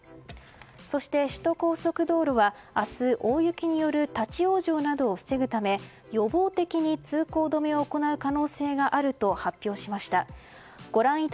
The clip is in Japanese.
そして、首都高速道路は明日大雪による立ち往生などを防ぐため予防的に通行止めを行う可能性があると発表しました。